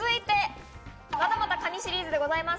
またまたカニシリーズでございます。